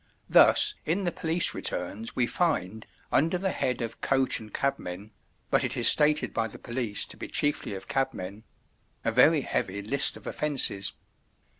Thus, in the police returns we find, under the head of "Coach and cabmen"—but it is stated by the police to be chiefly of cabmen—a very heavy list of offences.